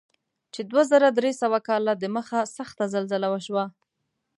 چې دوه زره درې سوه کاله دمخه سخته زلزله وشوه.